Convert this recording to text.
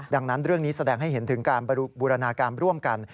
ดังนั้นเรื่องนี้แสดงให้เห็นถึงการบูรณาการร่วมกัน